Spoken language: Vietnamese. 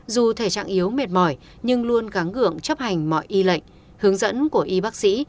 dù thể trạng yếu mệt mỏi nhưng luôn gắn gượng chấp hành mọi y lệnh hướng dẫn của y bác sĩ